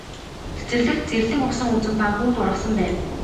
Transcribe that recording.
Цэцэрлэгт зэрлэг усан үзэм ба хөвд ургасан байв.